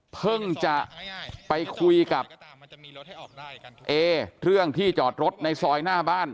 เพิ่งจะไปคุยกับเอเรื่องที่จอดรถในซอยหน้าบ้าน